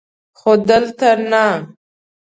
خو دلته نه!